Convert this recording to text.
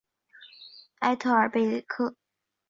埃特尔贝克。